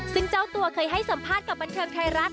ซึ่งเจ้าตัวเคยให้สัมภาษณ์กับบันเทิงไทยรัฐ